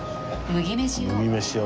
麦飯を。